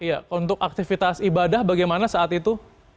iya untuk aktivitas ibadah bagaimana saat itu